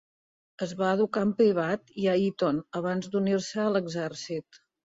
Es va educar en privat i a Eton abans d'unir-se a l'exèrcit.